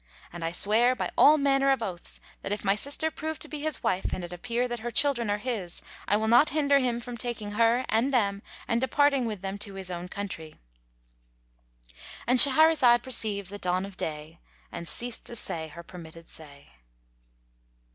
And I swear by all manner oaths that, if my sister prove to be his wife and it appear that her children are his, I will not hinder him from taking her and them and departing with them to his own country."—And Shahrazad perceived the dawn of day and ceased to say her permitted say.